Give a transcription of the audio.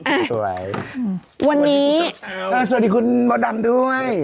อ่ะสวัสดีคุณเจ้าเช้าสวัสดีคุณบ๊อตดำด้วย